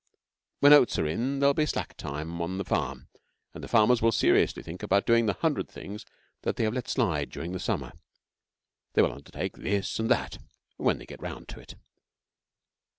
When oats are in there will be slack time on the farm, and the farmers will seriously think of doing the hundred things that they have let slide during the summer. They will undertake this and that, 'when they get around to it.'